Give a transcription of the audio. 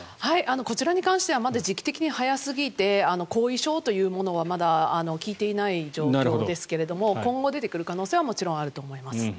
こちらに関してはまだ時期的に早すぎて後遺症というものはまだ聞いていない状況ですけども今後出てくる可能性はもちろんあると思います。